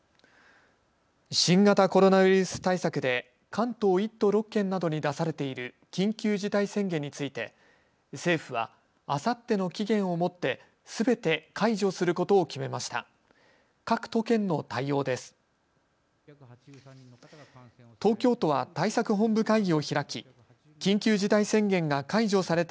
新型コロナウイルス対策で関東１都６県などに出されている緊急事態宣言について、政府はあさっての期限をもってすべて解除することを決めました。